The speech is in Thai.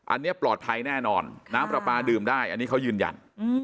อันนี้ปลอดภัยแน่นอนน้ำปลาปลาดื่มได้อันนี้เขายืนยัน